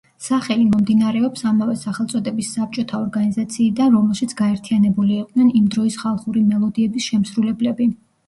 სახელი მომდინარეობს ამავე სახელწოდების საბჭოთა ორგანიზაციიდან, რომელშიც გაერთიანებული იყვნენ იმ დროის ხალხური მელოდიების შემსრულებლები.